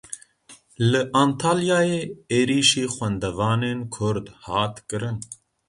Li Antalyayê êrişî xwendevanên Kurd hat kirin.